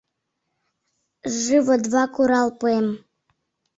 Живо-два курал пуэм!